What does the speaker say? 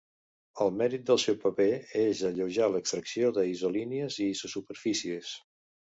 El mèrit del seu paper és alleujar l'extracció d'isolínies i isosuperfícies.